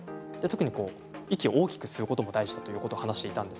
特に息を大きく吸うことも大事だということを話していました。